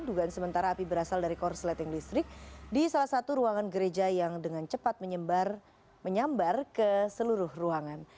dugaan sementara api berasal dari korsleting listrik di salah satu ruangan gereja yang dengan cepat menyambar ke seluruh ruangan